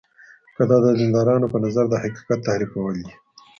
که دا د دیندارانو په نظر د حقیقت تحریفول دي.